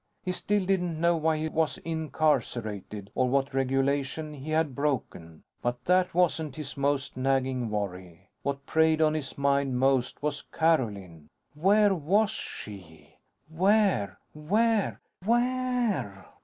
He still didn't know why he was incarcerated, or what regulation he had broken. But that wasn't his most nagging worry. What preyed on his mind most was Carolyn. Where was she? _Where? Where? WHERE?